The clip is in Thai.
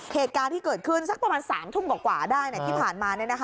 เหตุการณ์ที่เกิดขึ้นสักประมาณ๓ทุ่มกว่าได้ที่ผ่านมา